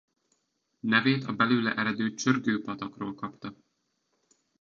Nevét a belőle eredő Csörgő-patakról kapta.